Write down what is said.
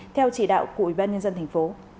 theo chỉ đạo của ubnd tp